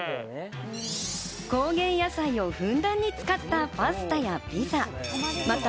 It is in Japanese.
高原野菜をふんだんに使ったパスタやピザ。